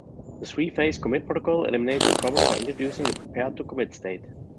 The Three-phase commit protocol eliminates this problem by introducing the Prepared to commit state.